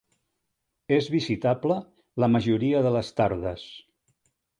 És visitable la majoria de les tardes.